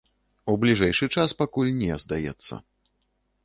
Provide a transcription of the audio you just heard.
У бліжэйшы час пакуль не, здаецца.